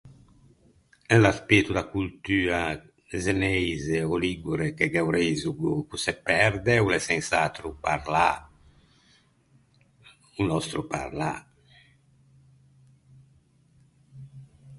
Eh l’aspeto da coltua zeneise ò ligure che gh’é o reisego ch’o se perde o l’é sens’atro o parlâ, o nòstro parlâ.